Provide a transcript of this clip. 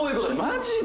マジで？